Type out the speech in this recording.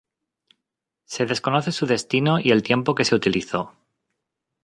Se desconoce su destino y el tiempo que se utilizó.